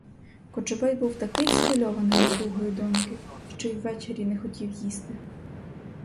Кочубей був такий схвильований недугою доньки, що й вечері не хотів їсти.